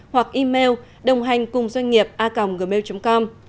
hoặc email đồng hành cùng doanh nghiệp a gmail com